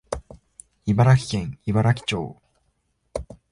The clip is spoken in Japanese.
茨城県茨城町